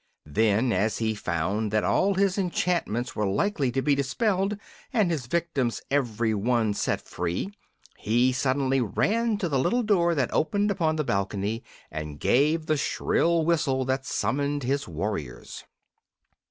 Then, as he found that all his enchantments were likely to be dispelled and his victims every one set free, he suddenly ran to the little door that opened upon the balcony and gave the shrill whistle that summoned his warriors.